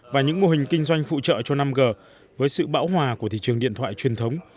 và những mô hình kinh doanh phụ trợ cho năm g với sự bão hòa của thị trường điện thoại truyền thống